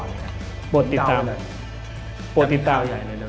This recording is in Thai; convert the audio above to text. ในวงการคุดบอลนะครับ